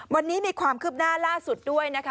วันนี้มีความคืบหน้าล่าสุดด้วยนะคะ